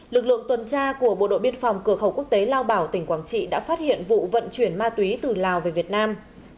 lực lượng tuần tra của bộ đội biên phòng cửa khẩu quốc tế lao bảo tỉnh quảng trị đã phát hiện vụ vận chuyển ma túy từ lào về việt nam